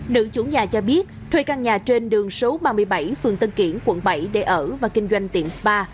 nữ chủ nhà cho biết thuê căn nhà trên đường số ba mươi bảy phường tân kiển quận bảy để ở và kinh doanh tiệm spa